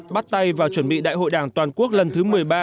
bắt tay vào chuẩn bị đại hội đảng toàn quốc lần thứ một mươi ba